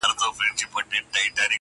چي خوشحال په زړه زخمي ورڅخه ولاړی!